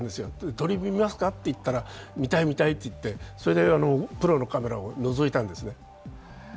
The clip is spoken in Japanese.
鳥を見ますかといったら、見たい、見たいと言って、それでプロのカメラをのぞいたんですね。